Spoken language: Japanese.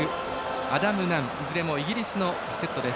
アダム・ナンいずれもイギリスのセットです。